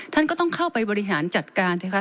ท่านต้องเข้าไปบริหารจัดการ